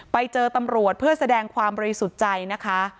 ไปเจอตำรวจเพื่อแสดงความบริสุทธิ์ใจนะคะ